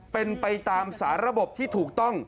เป็นไปตามสาระบบที่ถูกต้อง